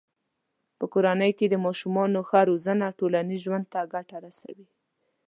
په کورنۍ کې د ماشومانو ښه روزنه ټولنیز ژوند ته ګټه رسوي.